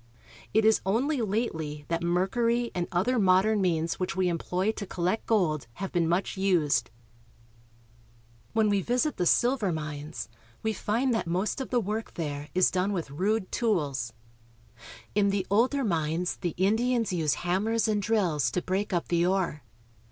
It is only lately that mercury and other rnodern means which we employ to collect gold have been much used. Washing Gold. MINERAL WEALTH. 97 When we visit the silver mines, we find that most of the work there is done with rude tools. In the older mines^the Indians use hammers and drills to break up the ore.